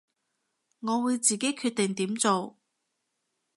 我會自己決定點做